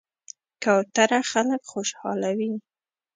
کوتره خلک خوشحالوي.